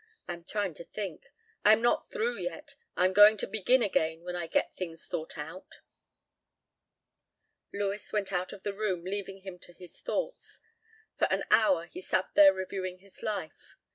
I am trying to think. I am not through yet. I am going to begin again when I get things thought out." Lewis went out of the room leaving him to his thoughts. For an hour he sat there reviewing his life.